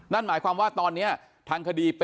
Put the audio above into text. ทนายเกิดผลครับ